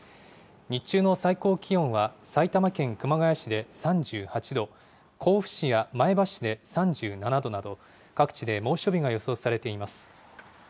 日中の最高気温は埼玉県熊谷市で３８度、甲府市や前橋市で３７度など、各地で猛暑日が予想されています。